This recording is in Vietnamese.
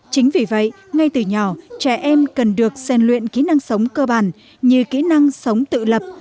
chính vì vậy ngay từ nhỏ trẻ em cần được xen luyện kỹ năng sống cơ bản như kỹ năng sống tự lập